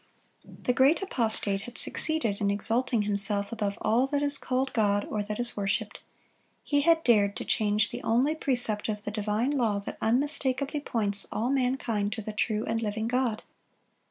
The great apostate had succeeded in exalting himself "above all that is called God, or that is worshiped."(78) He had dared to change the only precept of the divine law that unmistakably points all mankind to the true and living God.